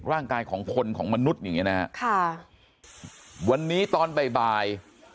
ร่างกายของคนของมนุษย์อย่างเงี้นะฮะค่ะวันนี้ตอนบ่ายบ่าย